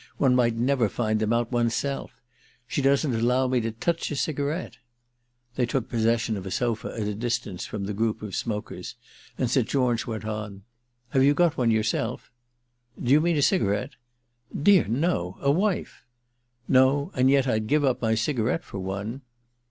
One might never find them out one's self. She doesn't allow me to touch a cigarette." They took possession of a sofa at a distance from the group of smokers, and St. George went on: "Have you got one yourself?" "Do you mean a cigarette?" "Dear no—a wife." "No; and yet I'd give up my cigarette for one."